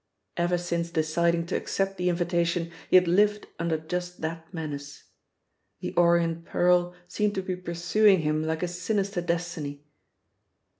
Ever since deciding to accept the invitation he had lived under just that menace. "The Orient Pearl" seemed to be pursuing him like a sinister destiny.